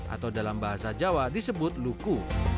atau dalam bahasa jawa disebut luku